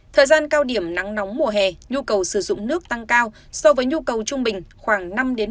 thời gian cao điểm nắng nóng mùa hè nhu cầu sử dụng nước tăng cao so với nhu cầu trung bình khoảng năm ba mươi